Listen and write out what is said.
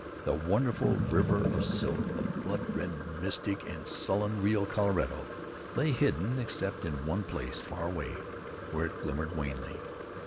The wonderful river of silt, the blood red, mystic and sullen Rio Colorado, lay hidden except in one place far away, where it glimmered wanly.